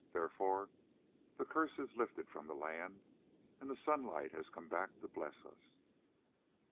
Therefore the curse is lifted from the land and the sunlight has come back to bless us."